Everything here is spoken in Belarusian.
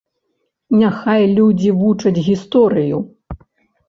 Няхай людзі вучаць гісторыю.